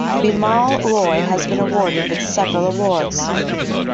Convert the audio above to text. Bimal Roy has been awarded with several awards.